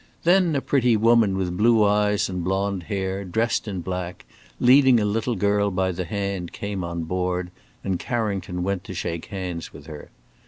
Then a pretty woman, with blue eyes and blonde hair, dressed in black, and leading a little girl by the hand, came on board, and Carrington went to shake hands with her.